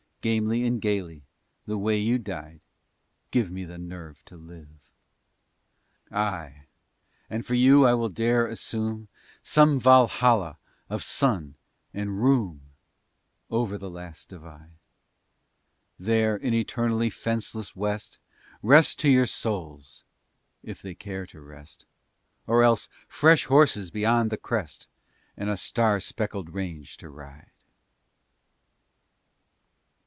Gamely and gaily, the way you died, Give me the nerve to live. Ay, and for you I will dare assume Some Valhalla of sun and room Over the last divide. There, in eternally fenceless West, Rest to your souls, if they care to rest, Or else fresh horses beyond the crest And a star speckled range to ride.